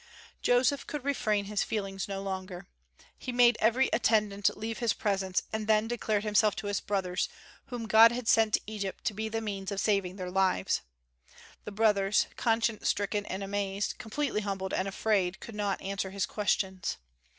Joseph could refrain his feelings no longer. He made every attendant leave his presence, and then declared himself to his brothers, whom God had sent to Egypt to be the means of saving their lives. The brothers, conscience stricken and ashamed, completely humbled and afraid, could not answer his questions.